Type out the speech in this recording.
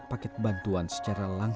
jika mereka ingin perjalan lamanya